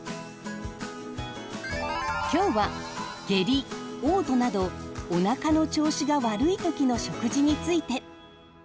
今日は下痢おう吐などおなかの調子が悪いときの食事について。